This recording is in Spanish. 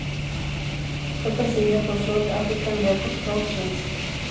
Fue precedida por "South African Report of Science".